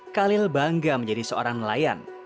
khalil bangga menjadi seorang nelayan